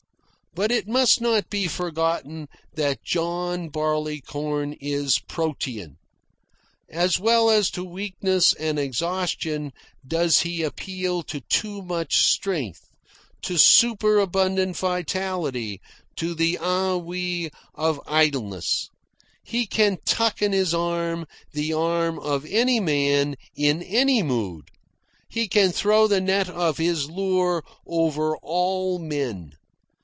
But it must not be forgotten that John Barleycorn is protean. As well as to weakness and exhaustion, does he appeal to too much strength, to superabundant vitality, to the ennui of idleness. He can tuck in his arm the arm of any man in any mood. He can throw the net of his lure over all men.